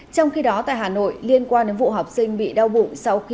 trong khi đó tại hà nội liên quan đến vụ học sinh bị đau bụng sau khi